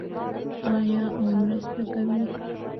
آیا او مرسته کوي؟